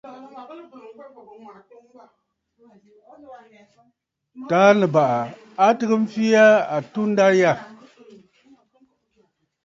Taà Nɨ̀bàʼà a tɨgə mfee aa atunda yâ.